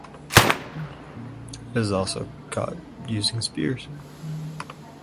It is also caught using spears.